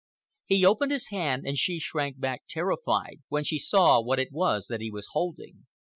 He opened his hand and she shrank back, terrified, when she saw what it was that he was holding.